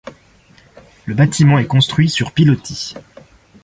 Le bâtiment est construit sur pilotis.